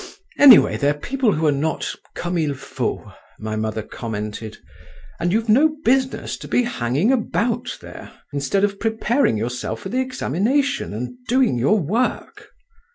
"Anyway, they're people who're not comme il faut," my mother commented, "and you've no business to be hanging about there, instead of preparing yourself for the examination, and doing your work."